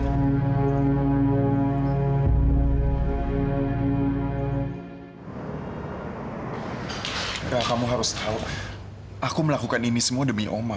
kamu harus tahu aku melakukan ini semua demi oma